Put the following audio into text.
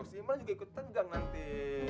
si imran juga ikut tegang nanti